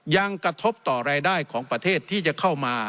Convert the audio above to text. ยังกระทบต่อรายได้ของประเทศที่จะเข้ามา